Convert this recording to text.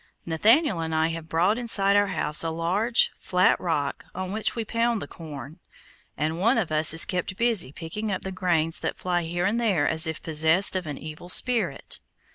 Nathaniel and I have brought inside our house a large, flat rock, on which we pound the corn, and one of us is kept busy picking up the grains that fly here and there as if possessed of an evil spirit.